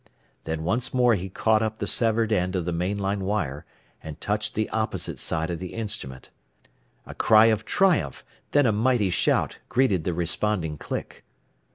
Then once more he caught up the severed end of the main line wire, and touched the opposite side of the instrument. A cry of triumph, then a mighty shout, greeted the responding click.